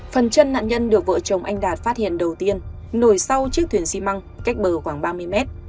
phần chân nạn nhân được vợ chồng anh đạt phát hiện đầu tiên nổi sau chiếc thuyền xi măng cách bờ khoảng ba mươi mét